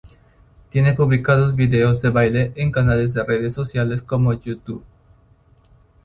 Tiene publicados vídeos de baile en canales de redes sociales como YouTube.